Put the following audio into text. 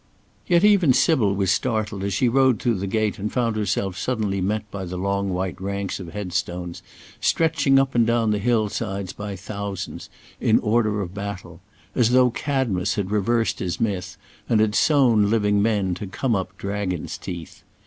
Yet even Sybil was startled as she rode through the gate and found herself suddenly met by the long white ranks of head stones, stretching up and down the hill sides by thousands, in order of baffle; as though Cadmus had reversed his myth, and had sown living men, to come up dragons' teeth.